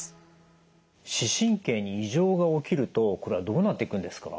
視神経に異常が起きるとこれはどうなっていくんですか？